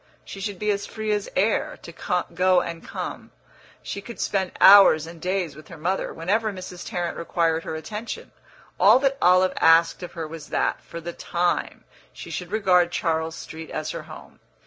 She should be as free as air, to go and come; she could spend hours and days with her mother, whenever Mrs. Tarrant required her attention; all that Olive asked of her was that, for the time, she should regard Charles Street as her home.